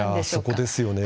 そこですよね。